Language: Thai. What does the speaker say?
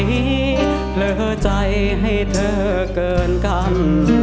เหลือใจให้เธอเกินกัน